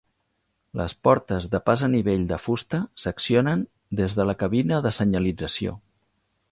Les portes de pas a nivell de fusta s'accionen des de la cabina de senyalització.